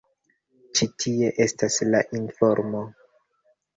Ĉi tie estas la informo.